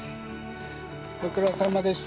ご苦労さまでした。